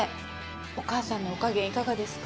お母さんのお加減いかがですか？